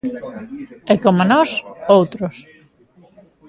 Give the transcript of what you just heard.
E coma nós, outros.